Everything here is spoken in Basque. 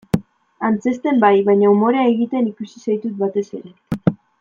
Antzezten bai, baina umorea egiten ikusi zaitut batez ere.